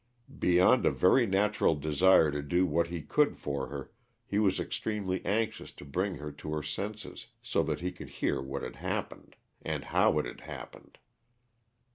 Beyond a very natural desire to do what he could for her, he was extremely anxious to bring her to her senses, so that he could hear what had happened, and how it had happened.